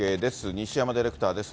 西山ディレクターです。